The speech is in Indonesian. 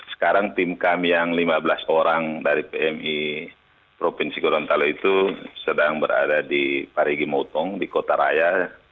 sekarang tim kami yang lima belas orang dari pmi provinsi gorontalo itu sedang berada di parigi motong di kota raya